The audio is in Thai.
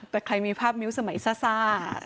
แต่ใครมีภาพมิ้วสมัยซ่า